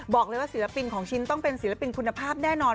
บอกเลยว่าศิลปินของชิ้นต้องเป็นศิลปินคุณภาพแน่นอน